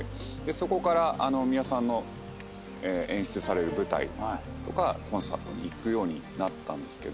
そこから美輪さんの演出される舞台とかコンサートに行くようになったんですけど。